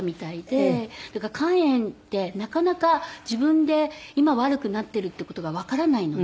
肝炎ってなかなか自分で今悪くなっているっていう事がわからないので。